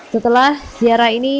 setelah siara ini